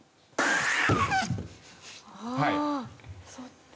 ああそっち？